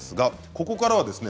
ここからはですね